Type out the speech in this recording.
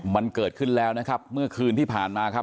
มันเกิดขึ้นแล้วนะครับเมื่อคืนที่ผ่านมาครับ